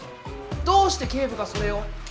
どうして警部がそれを？